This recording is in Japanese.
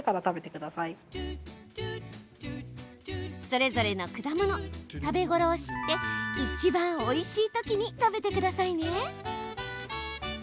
それぞれの果物、食べ頃を知っていちばんおいしいときに食べてくださいね。